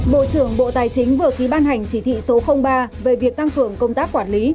bộ trưởng bộ tài chính vừa ký ban hành chỉ thị số ba về việc tăng cường công tác quản lý